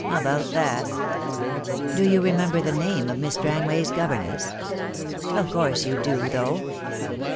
"About that." "Do you remember the name of Miss Strangway's governess? Of course, you do, though."